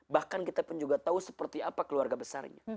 bahkan kita pun juga tahu seperti apa keluarga besarnya